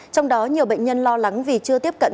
trong đó nhiều bệnh nhân lo lắng vì chưa tiếp cận